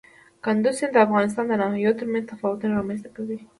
کندز سیند د افغانستان د ناحیو ترمنځ تفاوتونه رامنځ ته کوي.